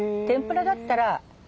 天ぷらだったら。